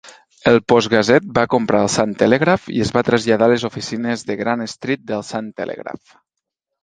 El "Post-Gazette" va comprar el "Sun-Telegraph" i es va traslladar a les oficines de Grant Street del "Sun-Telegraph".